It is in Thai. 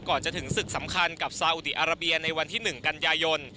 ก่อนจะถึงศึกสำคัญกับซาอุดีอาราเบียในวันที่๑กันยายน